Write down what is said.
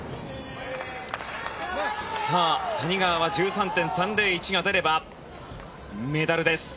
さあ、谷川は１３．３０１が出ればメダルです。